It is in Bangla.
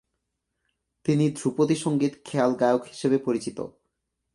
তিনি ধ্রুপদী সঙ্গীত খেয়াল গায়ক হিসাবে বেশি পরিচিত।